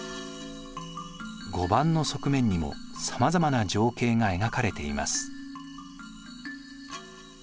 碁盤の側面にもさまざまな情景が描かれています。